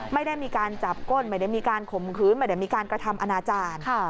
ไม่ได้มีการจับก้นไม่ได้มีการข่มขืนไม่ได้มีการกระทำอนาจารย์